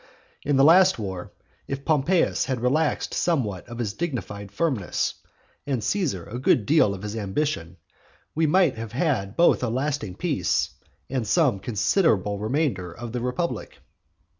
In the last war, if Pompeius had relaxed somewhat of his dignified firmness, and Caesar a good deal of his ambition, we might have had both a lasting peace, and some considerable remainder of the republic.